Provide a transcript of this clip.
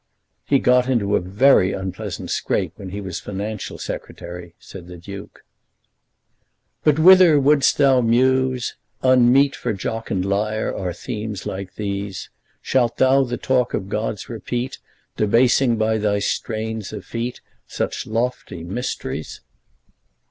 "He got into a very unpleasant scrape when he was Financial Secretary," said the Duke. But whither would'st thou, Muse? Unmeet For jocund lyre are themes like these. Shalt thou the talk of Gods repeat, Debasing by thy strains effete Such lofty mysteries?